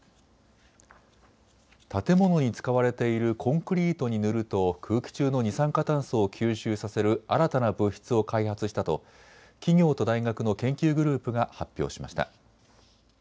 建物に使われているコンクリートに塗ると空気中の二酸化炭素を吸収させる新たな物質を開発したと企業と大学の研究グループが発表しました。